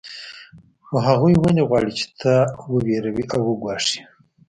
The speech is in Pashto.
خو هغوی ولې غواړي چې تا وویروي او وګواښي